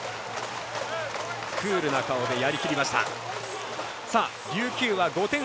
クールな顔でやりきりました。